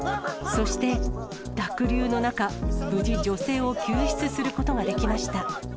そして、濁流の中、無事、女性を救出することができました。